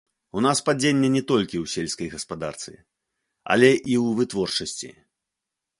У нас падзенне не толькі ў сельскай гаспадарцы, але і ў вытворчасці.